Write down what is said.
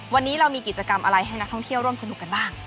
วันนี้เรามีกิจกรรมอะไรให้นักท่องเที่ยวร่วมสนุกกันบ้าง